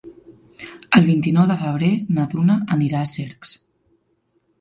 El vint-i-nou de febrer na Duna anirà a Cercs.